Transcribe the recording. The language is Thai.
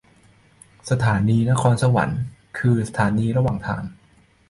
สถานีนครสวรรค์คือสถานีระหว่างทาง